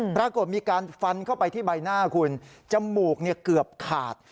ปรากฏมีการฟันเข้าไปที่ใบหน้าคุณจมูกเกือบขาด